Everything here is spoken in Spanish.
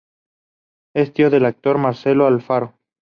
Es tío del actor Marcelo Alfaro.